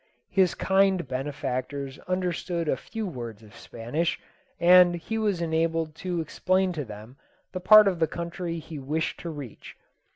His kind benefactors understood a few words of Spanish, and he was enabled to explain to them the part of the country he wished to reach.